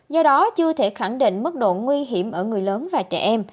do đó chưa thể khẳng định mức độ nguy hiểm ở người lớn và trẻ em